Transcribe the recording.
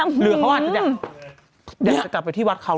เขาอาจจะแบบเดี๋ยวเรากลับไปที่วัดเขา